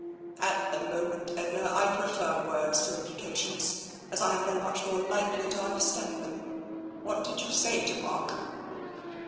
" At the moment, Edna, I prefer words to implica tions, as I am very much more likely to understand them. What did you say to Mark?